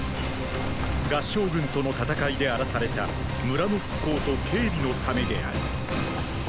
合従軍との戦いで荒らされた村の復興と警備のためである。